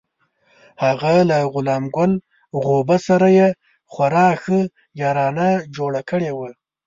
هغه له غلام ګل غوبه سره یې خورا ښه یارانه جوړه کړې وه.